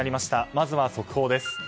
まずは速報です。